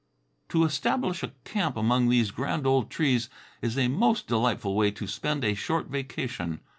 To establish a camp among these grand old trees is a most delightful way to spend a short vacation.